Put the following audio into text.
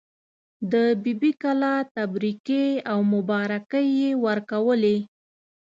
د بي بي کلا تبریکې او مبارکۍ یې ورکولې.